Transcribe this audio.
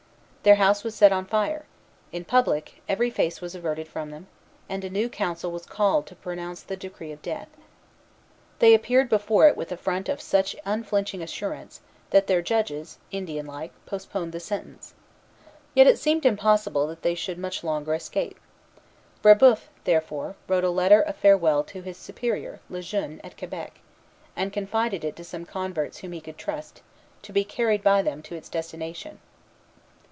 Their house was set on fire; in public, every face was averted from them; and a new council was called to pronounce the decree of death. They appeared before it with a front of such unflinching assurance, that their judges, Indian like, postponed the sentence. Yet it seemed impossible that they should much longer escape. Brébeuf, therefore, wrote a letter of farewell to his Superior, Le Jeune, at Quebec, and confided it to some converts whom he could trust, to be carried by them to its destination.